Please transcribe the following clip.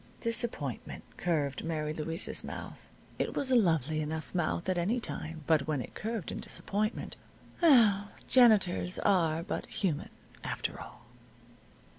Disappointment curved Mary Louise's mouth. It was a lovely enough mouth at any time, but when it curved in disappointment ell, janitors are but human, after all.